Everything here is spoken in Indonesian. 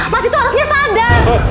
mas itu harusnya sadar